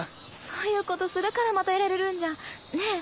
そういうことするからまたやられるんじゃんねぇ？